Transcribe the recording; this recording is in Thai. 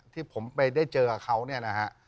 ที่ผมไปได้เจอกับเขาเนี่ยนะฮะ